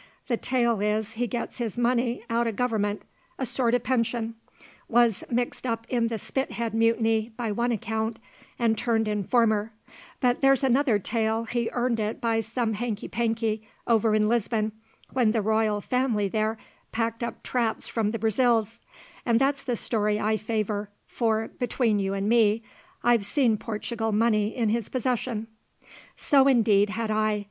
The tale is he gets his money out o' Government a sort of pension. Was mixed up in the Spithead Mutiny, by one account, an' turned informer; but there's another tale he earned it by some hanky panky over in Lisbon, when the Royal Family there packed up traps from the Brazils; and that's the story I favour, for (between you and me) I've seen Portugal money in his possession." So, indeed, had I.